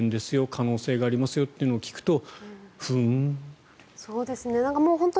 可能性がありますよっていうのを聞くと、ふうんって。